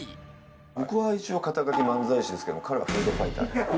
僕は一応肩書漫才師ですけども彼はフードファイターですから。